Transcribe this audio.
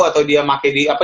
atau dia pakai di apa